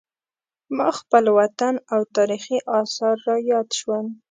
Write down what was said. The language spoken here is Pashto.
ما خپل وطن او تاریخي اثار را یاد شول.